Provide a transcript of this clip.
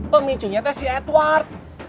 pemicunya itu si edward